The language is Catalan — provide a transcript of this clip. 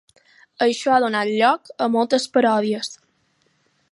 Això ha donat lloc a moltes paròdies.